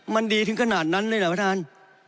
มันดีถึงขนาดนั้นเลยนะพระทาน